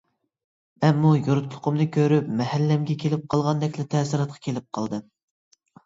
مەنمۇ يۇرتلۇقۇمنى كۆرۈپ مەھەللەمگە كېلىپ قالغاندەكلا تەسىراتقا كېلىپ قالدىم.